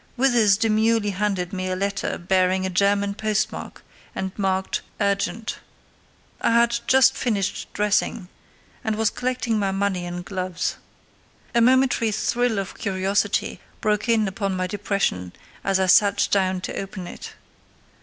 Withers demurely handed me a letter bearing a German postmark and marked "Urgent". I had just finished dressing, and was collecting my money and gloves. A momentary thrill of curiosity broke in upon my depression as I sat down to open it.